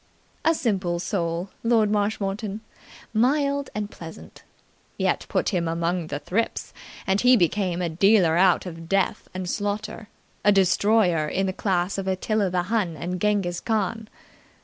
A simple soul, Lord Marshmoreton mild and pleasant. Yet put him among the thrips, and he became a dealer out of death and slaughter, a destroyer in the class of Attila the Hun and Genghis Khan.